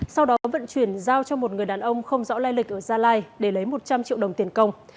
sau đó vận chuyển giao cho một người đàn ông không rõ lai lịch ở gia lai để lấy một trăm linh triệu đồng tiền công